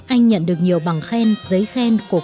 anh nhận được nhiều bằng khen giấy khen của cục văn